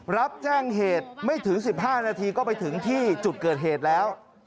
รับแจ้งเหตุไม่ถึง๑๕นาทีก็ไปถึงที่จุดเกิดเหตุแล้ว